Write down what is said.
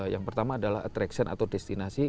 yang pertama adalah attraction atau destinasi